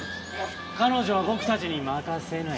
彼女は僕たちに任せなよ。